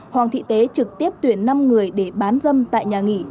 hoàng thị tế trực tiếp tuyển năm người để bán dâm tại nhà nghỉ